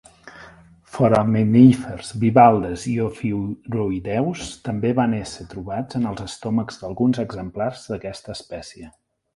Foraminífers, bivalves i ofiuroïdeus també van ésser trobats en els estómacs d'alguns exemplars d'aquesta espècie.